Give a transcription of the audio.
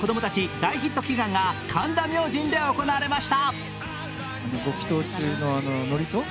大ヒット祈願が神田明神で行われました。